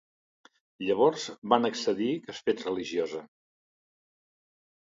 Llavors van accedir que es fes religiosa.